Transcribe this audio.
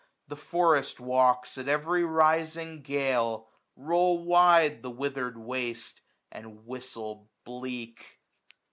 The forest walks, at every rising gale. Roll wide the withered waste, and whistle bleak.